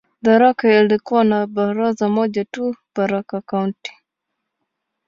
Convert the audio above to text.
Tharaka ilikuwa na baraza moja tu, "Tharaka County".